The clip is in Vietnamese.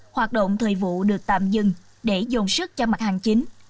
hoạt động thời vụ được tạm dừng để dồn sức cho mặt hàng chính